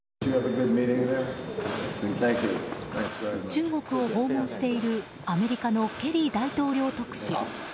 中国を訪問しているアメリカのケリー大統領特使。